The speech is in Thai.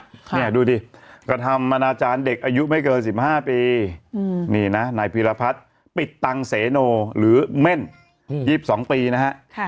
เนี่ยดูดิกระทำอนาจารย์เด็กอายุไม่เกิน๑๕ปีนี่นะนายพีรพัฒน์ปิดตังเสโนหรือเม่น๒๒ปีนะฮะ